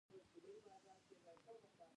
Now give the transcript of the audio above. د شمال وچکالي خلک ولې کډوال کوي؟